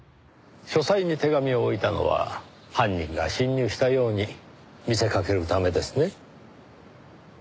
書斎に手紙を置いたのは犯人が侵入したように見せかけるためですね？